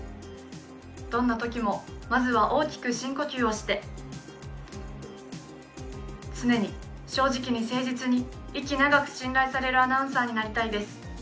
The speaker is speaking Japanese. どんなときもまずは大きく深呼吸をして常に、正直に誠実に息長く信頼されるアナウンサーになりたいです。